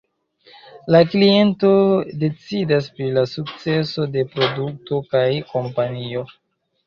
La kliento decidas pri la sukceso de produkto kaj kompanio.